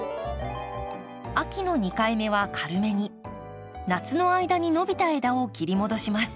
秋の二回目は軽めに夏の間に伸びた枝を切り戻します。